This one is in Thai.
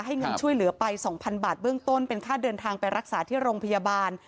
เงินช่วยเหลือไป๒๐๐๐บาทเบื้องต้นเป็นค่าเดินทางไปรักษาที่โรงพยาบาล